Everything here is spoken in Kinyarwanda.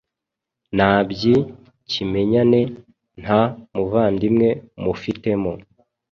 Nabyi kimenyane nta muvandimwe mufitemo